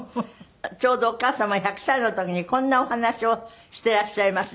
ちょうどお母様１００歳の時にこんなお話をしてらっしゃいます。